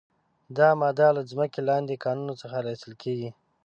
دا ماده له ځمکې لاندې کانونو څخه را ایستل کیږي.